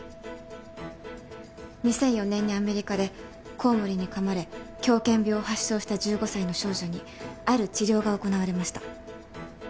２００４年にアメリカでこうもりにかまれ狂犬病を発症した１５歳の少女にある治療が行なわれました。